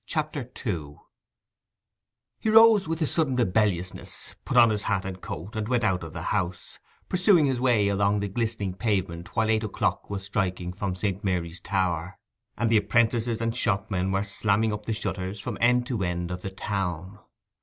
CHAPTER II He rose with a sudden rebelliousness, put on his hat and coat, and went out of the house, pursuing his way along the glistening pavement while eight o'clock was striking from St. Mary's tower, and the apprentices and shopmen were slamming up the shutters from end to end of the town.